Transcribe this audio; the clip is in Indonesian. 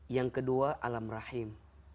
yang kedua alam rahim